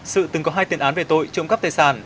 sự từng có hai tiền án về tội trộm cắp tài sản